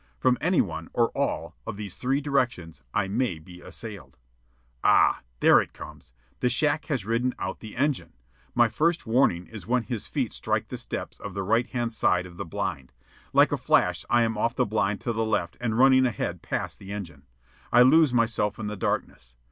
From any one, or all, of these three directions, I may be assailed. Ah, there it comes. The shack has ridden out the engine. My first warning is when his feet strike the steps of the right hand side of the blind. Like a flash I am off the blind to the left and running ahead past the engine. I lose myself in the darkness.